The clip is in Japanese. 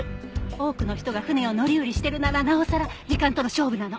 多くの人が船を乗り降りしてるならなおさら時間との勝負なの。